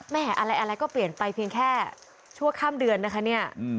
แม่อะไรก็เปลี่ยนไปเพียงแค่ชั่วข้ามเดือนนะคะเนี่ย